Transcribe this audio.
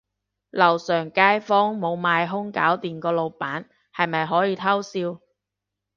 樓上街坊無買兇搞掂個老闆，係咪可以偷笑